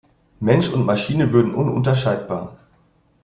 Mensch und Maschine würden ununterscheidbar.